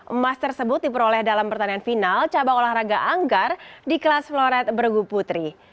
emas tersebut diperoleh dalam pertandingan final cabang olahraga anggar di kelas floret bergu putri